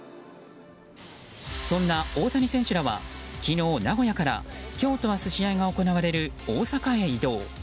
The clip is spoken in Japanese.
そんな大谷選手らは昨日、名古屋から今日と明日試合が行われる大阪へ移動。